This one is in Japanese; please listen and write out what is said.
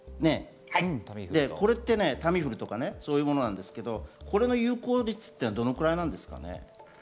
タミフルとかそういうものですが、この有効率はどのくらいなんですか？